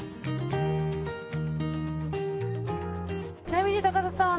ちなみに高田さん